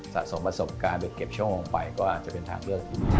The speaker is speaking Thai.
สะสมประสบการณ์หรือเก็บชั่วโมงไปก็อาจจะเป็นทางเลือกที่ดี